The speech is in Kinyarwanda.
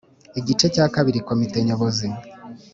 Igice cya kabiri komite nyobozi